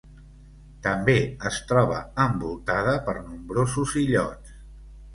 També es troba envoltada per nombrosos illots.